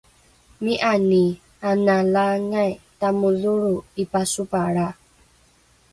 Mi'ani ana laangai tamo dholro 'ipasopalra?